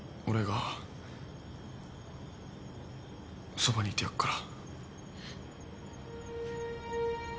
そばにいてやっから。